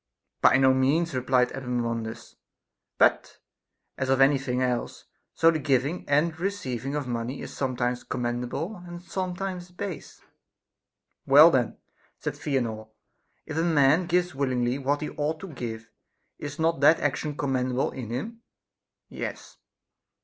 By no means, replied Epaminondas ; but, as of any thing else, so the giving and receiving of money is sometimes commendable and some times base. Well then, said Theanor, if a man gives willingly what he ought to give, is not that action com mendable in him? Yes.